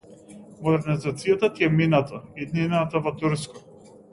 Модернизацијата ти е минато, иднината во турско.